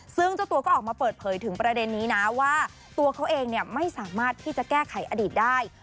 ซึ่งเจ้าตัวก็ออกมาเปิดเผยถึงประเด็นนี้นะว่าตัวเขาเองไม่สามารถที่จะแก้ไขอดีตได้